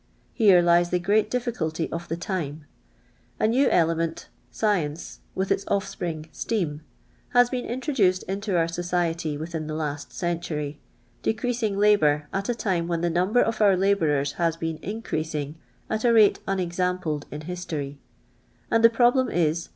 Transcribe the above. Here lies the great difficulty of the time, A new element — science, with its offspring, steam — has been introduced into our society within the last century, decreasing labour at a time when the number of our labourers has been increasing at A rate unexampled in history; and the problem is.